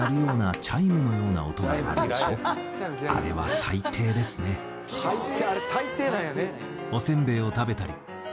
最低あれ最低なんやね。